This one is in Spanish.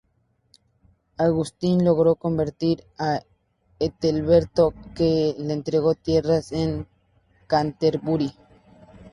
Agustín logró convertir a Ethelberto, que le entregó tierras en Canterbury.